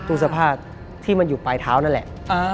ตู้เสื้อผ้าที่มันอยู่ปลายเท้านั่นแหละ